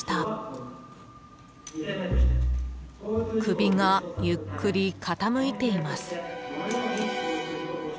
［首がゆっくり傾いています］